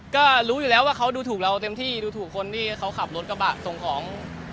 ก็รู้อยู่แล้วว่าเขาดูถูกเราเต็มที่ดูถูกคนที่เขาขับรถกระบะส่งของ